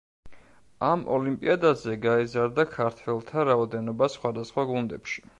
ამ ოლიმპიადაზე გაიზარდა ქართველთა რაოდენობა სხვადასხვა გუნდებში.